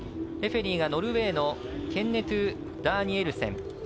レフェリーがノルウェーのケンネトゥ・ダーニエルセン。